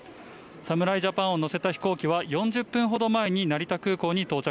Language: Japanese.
侍ジャパンを乗せた飛行機は、４０分ほど前に成田空港に到着。